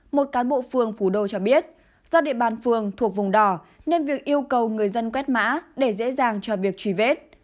một cán bộ phường phủ đô cho biết do địa bàn phường thuộc vùng đỏ nên việc yêu cầu người dân quét mã để dễ dàng cho việc truy vết